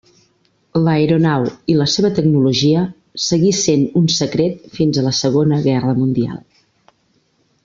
L'aeronau i la seva tecnologia seguir sent un secret fins a la Segona Guerra Mundial.